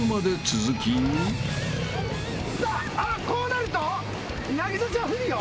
さあこうなると凪咲ちゃん不利よ。